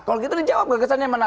kalau gitu dijawab gagasannya